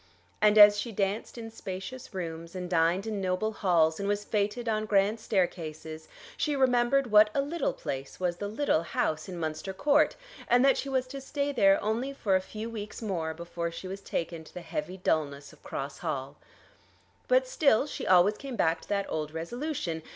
And as she danced in spacious rooms and dined in noble halls, and was fêted on grand staircases, she remembered what a little place was the little house in Munster Court, and that she was to stay there only for a few weeks more before she was taken to the heavy dulness of Cross Hall. But still she always came back to that old resolution.